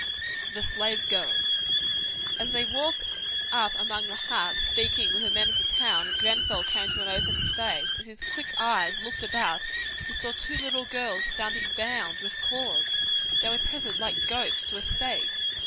The Slave Girls As they walked up among the huts, speaking with the men of the town, Grenfell came to an open space. As his quick eyes looked about he saw two little girls standing bound with cords. They were tethered like goats to a stake.